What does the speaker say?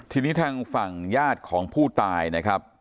ทีนี้ทางฝั่งญาติของผู้ตายนะครับ